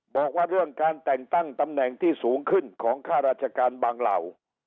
บอกว่าเรื่องการแต่งตั้งตำแหน่งที่สูงขึ้นของค่าราชการบางเหล่า